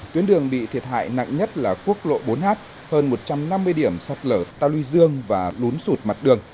tuyến đường bị thiệt hại nặng nhất là quốc lộ bốn h hơn một trăm năm mươi điểm sọt lở tàu lưu dương và lún sụt mặt đường